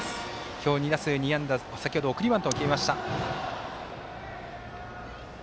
今日２打数２安打、先ほど送りバントを決めました。